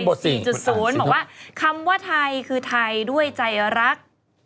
บอกว่าคำว่าไทยคือไทยด้วยใจรัก